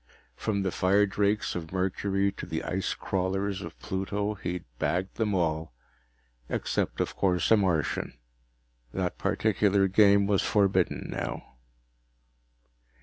From the firedrakes of Mercury to the ice crawlers of Pluto, he'd bagged them all. Except, of course, a Martian. That particular game was forbidden now.